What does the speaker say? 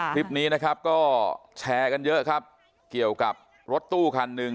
คลิปนี้นะครับก็แชร์กันเยอะครับเกี่ยวกับรถตู้คันหนึ่ง